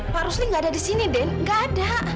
pak rusli gak ada disini den gak ada